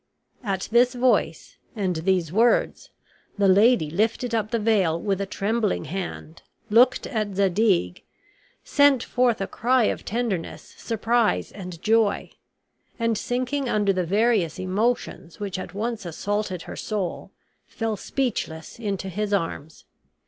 At this voice, and these words, the lady lifted up the veil with a trembling hand, looked at Zadig, sent forth a cry of tenderness, surprise and joy, and sinking under the various emotions which at once assaulted her soul, fell speechless into his arms.